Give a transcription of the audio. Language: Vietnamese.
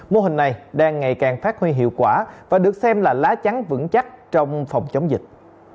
mô hình này đang ngày càng phát huy hiệu quả và được xem là lá chắn vững chắc trong phòng chống dịch